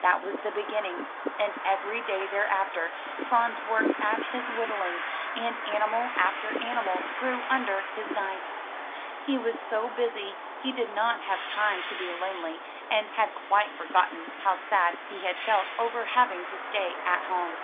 That was the beginning, and every day thereafter Franz worked at his whittling, and animal after animal grew under his knife. He was so busy he did not have time to be lonely, and had quite forgotten how sad he had felt over having to stay at home.